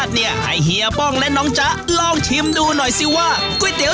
เดี๋ยวพาหน่วยพี่หยุดเองชามที่หนูกินเนี้ย